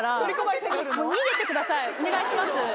お願いします。